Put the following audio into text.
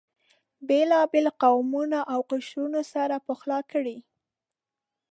بېلابېل قومونه او قشرونه سره پخلا کړي.